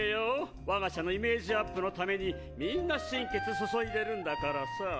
我が社のイメージアップのためにみんな心血注いでるんだからさ。